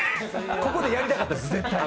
ここでやりたかったんです、絶対。